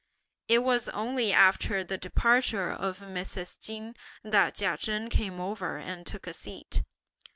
It was only after the departure of Mrs. Chin that Chia Chen came over and took a seat.